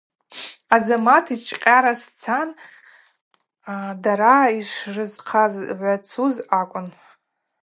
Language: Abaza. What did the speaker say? Азамат йчвкъьара сцан – дара йшрызхъагӏвацуз акӏвын.